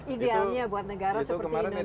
idealnya buat negara seperti indonesia itu berapa